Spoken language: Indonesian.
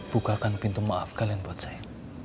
bukakan pintu maaf kalian buat saya